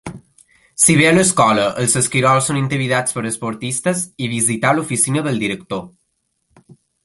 Si bé a l'escola, els esquirols són intimidats per esportistes i visitar l'oficina del director.